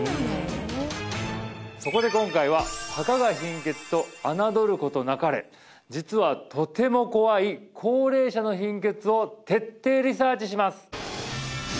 そこで今回はたかが貧血と侮ることなかれ実はとても怖い高齢者の貧血を徹底リサーチします